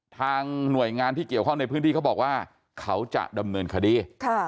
ทางหน่วยงานที่เกี่ยวข้องในพื้นที่เขาบอกว่าเขาจะดำเนินคดี